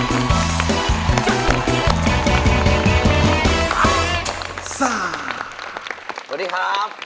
สวัสดีครับ